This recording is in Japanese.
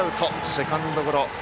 セカンドゴロ。